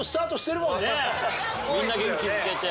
みんな元気づけて。